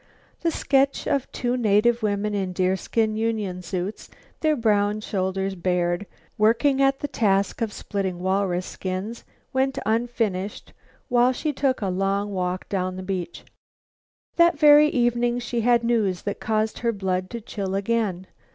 The sketch of two native women in deerskin unionsuits, their brown shoulders bared, working at the task of splitting walrus skins, went unfinished while she took a long walk down the beach. That very evening she had news that caused her blood to chill again.